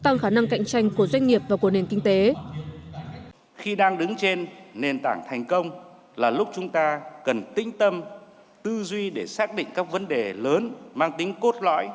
nên nền tảng thành công là lúc chúng ta cần tĩnh tâm tư duy để xác định các vấn đề lớn mang tính cốt lõi